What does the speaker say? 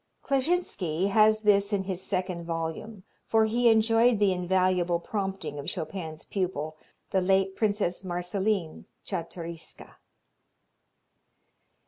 Kleczynski has this in his second volume, for he enjoyed the invaluable prompting of Chopin's pupil, the late Princess Marceline Czartoryska.